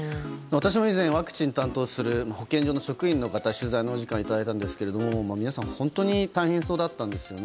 私も以前ワクチンを担当する保健所の職員の方に取材のお時間をいただいたんですけれども皆さん本当に大変そうだったんですよね。